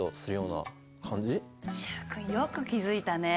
習君よく気付いたね。